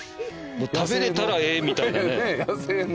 食べれたらええみたいなね。